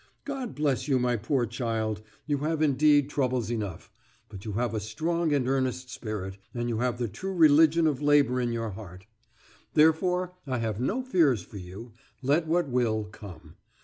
God bless you, my poor child. You have indeed troubles enough; but you have a strong and earnest spirit, and you have the true religion of labour in your heart. Therefore I have no fears for you, let what will come.